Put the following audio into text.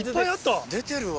出てるわ。